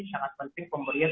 sangat penting pemberian